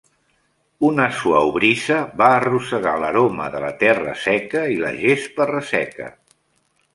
Una suau brisa va arrossegar l'aroma de la terra seca i la gespa resseca.